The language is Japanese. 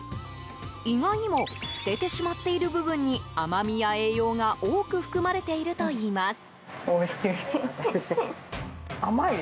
意外にも捨ててしまっている部分に甘みや栄養が多く含まれているといいます。